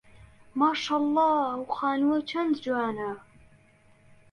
ماشەڵڵا ئەو خانووە چەند جوانە.